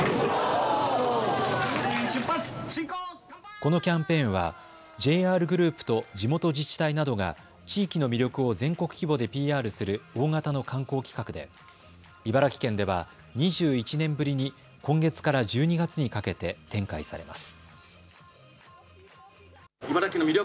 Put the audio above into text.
このキャンペーンはＪＲグループと地元自治体などが地域の魅力を全国規模でＰＲする大型の観光企画で茨城県では２１年ぶりに今月から１２月にかけて展開されます。